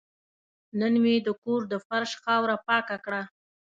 نن مې د کور د فرش خاوره پاکه کړه.